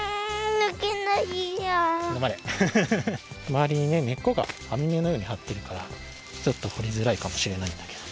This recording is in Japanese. まわりにね根っこがあみめのようにはってるからちょっとほりづらいかもしれないんだけど。